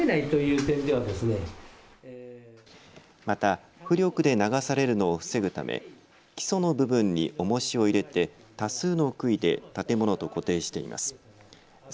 また浮力で流されるのを防ぐため基礎の部分におもしを入れて多数のくいで建物と固定しています。